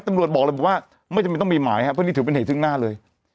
ตำรวจบอกเลยบอกว่าไม่จำเป็นต้องมีหมายครับเพราะนี่ถือเป็นเหตุซึ่งหน้าเลย